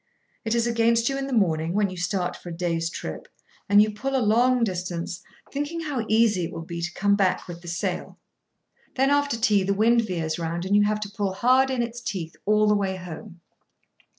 It is against you in the morning, when you start for a day's trip, and you pull a long distance, thinking how easy it will be to come back with the sail. Then, after tea, the wind veers round, and you have to pull hard in its teeth all the way home.